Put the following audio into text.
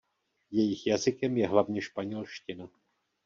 Jejich jazykem je hlavně španělština.